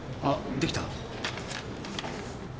できた？